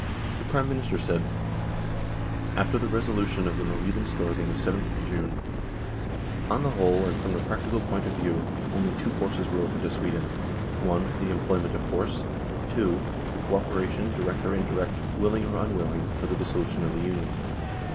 The Prime Minister said :" After the resolution of the Norwegian Storthing of 7th June, on the whole and from the practical point of view, only two courses were open to Sweden : (i) the employment of force ; (2) co operation, direct or in direct, willing or unwilling, for the dissolution of the Union.